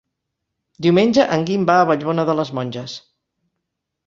Diumenge en Guim va a Vallbona de les Monges.